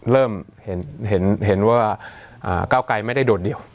เริ่มเห็นว่าก้าวไกรไม่ได้โดดเดี่ยว